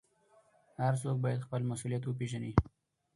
هر څوک باید خپل مسوولیت وپېژني.